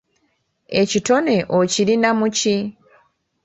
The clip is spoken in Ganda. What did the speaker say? Ekitone okirina mu ki?